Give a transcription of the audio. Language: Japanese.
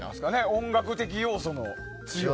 音楽的要素も強い。